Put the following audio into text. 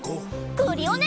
クリオネ！